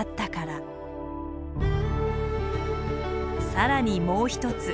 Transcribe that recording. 更にもう一つ。